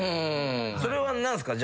それは何すか？